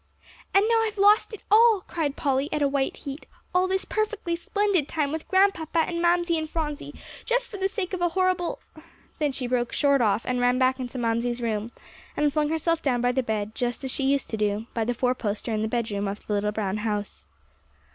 "And now I've lost it all," cried Polly at a white heat "all this perfectly splendid time with Grandpapa and Mamsie and Phronsie just for the sake of a horrible " Then she broke short off, and ran back into Mamsie's room, and flung herself down by the bed, just as she used to do by the four poster in the bedroom of the little brown house.